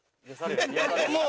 「もう」